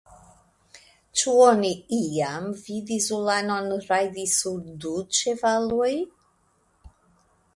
Ĉu oni iam vidis ulanon rajdi sur du ĉevaloj!